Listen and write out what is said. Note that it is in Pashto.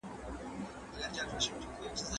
زه د وټساپ ځواکمن کمپیوټرونه کارولي یم.